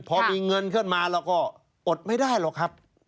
พอมีเงินขึ้นมาเราก็อดไม่ได้หรอกครับ